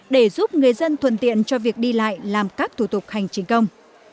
để giúp người dân thuần tiện cho việc đi lại làm các thủ tục hành chính công